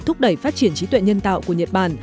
thúc đẩy phát triển trí tuệ nhân tạo của nhật bản